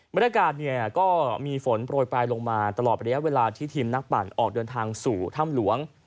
บรรยากาศเนี่ยก็มีฝนโปรยปลายลงมาตลอดระยะเวลาที่ทีมนักปั่นออกเดินทางสู่ถ้ำหลวง